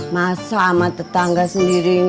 masa ama tetangga sendiri gak kenal